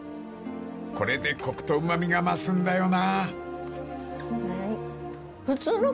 ［これでコクとうま味が増すんだよな］